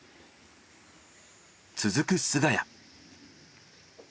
続く菅谷。